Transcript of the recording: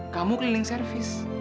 yang sering servis